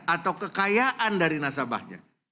atau kekayaan dari nasabahnya